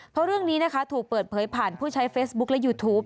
เพราะเรื่องนี้นะคะถูกเปิดเผยผ่านผู้ใช้เฟซบุ๊คและยูทูป